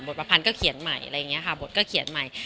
ประพันธ์ก็เขียนใหม่อะไรอย่างนี้ค่ะบทก็เขียนใหม่